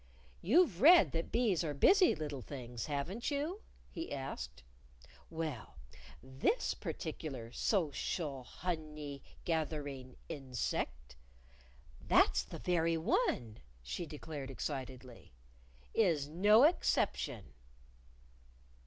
"You've read that bees are busy little things, haven't you?" he asked. "Well, this particular so cial hon ey gath er ing in sect " "That's the very one!" she declared excitedly. " Is no exception."